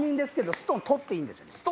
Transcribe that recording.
ストーン取っていいですよね？